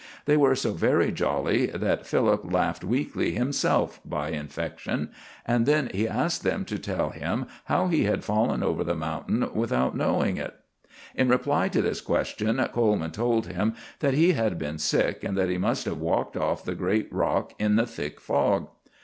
They were so very jolly that Philip laughed weakly himself by infection, and then he asked them to tell him how he had fallen over the mountain without knowing it. In reply to this question, Coleman told him that he had been sick, and that he must have walked off the great rock in the thick fog.